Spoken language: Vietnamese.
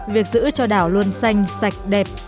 việc giữ cho đảo luôn xanh sạch đẹp